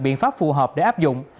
biện pháp phù hợp để áp dụng